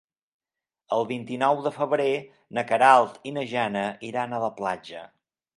El vint-i-nou de febrer na Queralt i na Jana iran a la platja.